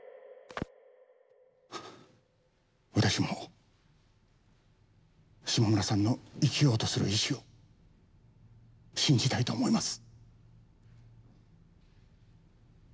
私も島村さんの生きようとする意志を信じたいと思います。